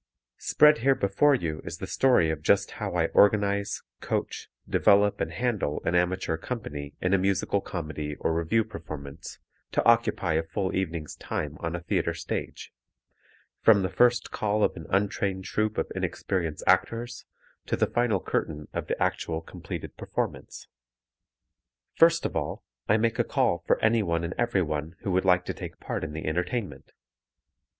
Spread here before you is the story of just how I organize, coach, develop and handle an amateur company in a musical comedy or revue performance to occupy a full evening's time on a theatre stage; from the first "call" of an untrained troupe of inexperienced actors to the final curtain of the actual, completed performance. [Illustration: MOONLIGHT BALLET, FOLLIES OF 1923] First of all, I make a call for anyone and everyone who would like to take part in the entertainment.